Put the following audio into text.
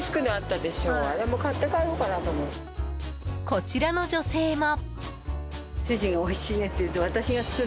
こちらの女性も。